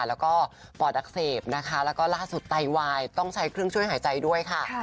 แล้วก็ปอดอักเสบนะคะแล้วก็ล่าสุดไตวายต้องใช้เครื่องช่วยหายใจด้วยค่ะ